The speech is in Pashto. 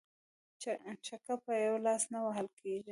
ـ چکه په يوه لاس نه وهل کيږي.